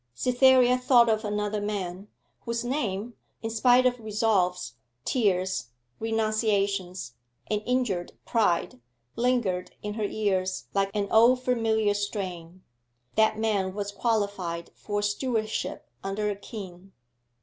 Cytherea thought of another man, whose name, in spite of resolves, tears, renunciations and injured pride, lingered in her ears like an old familiar strain. That man was qualified for a stewardship under a king.